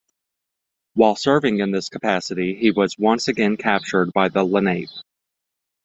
While serving in this capacity he was once again captured by the Lenape.